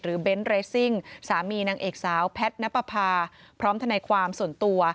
หรือเบนท์เรสซิงสามีนางเอกสาวแพทน์นปภาพร้อมที่ในความส่วนตัว